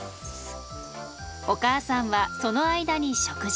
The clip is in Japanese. お母さんはその間に食事。